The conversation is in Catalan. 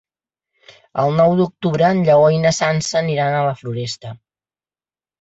El nou d'octubre en Lleó i na Sança aniran a la Floresta.